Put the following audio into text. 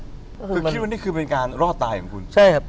คือคิดว่านี่คือเป็นการรอดตายของคุณใช่ครับ